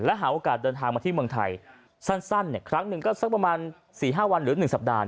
และหาโอกาสเดินทางมาที่เมืองไทยสั้นครั้งหนึ่งก็สักประมาณ๔๕วันหรือ๑สัปดาห